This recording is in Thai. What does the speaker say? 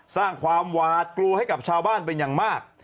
สร้างความหวาดกลัวให้กับชาวบ้านเป็นอย่างมาก